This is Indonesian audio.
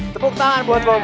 tepuk tangan buat bobby